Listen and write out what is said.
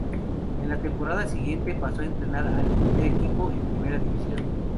En la temporada siguiente, pasó a entrenar al primer equipo en Primera División.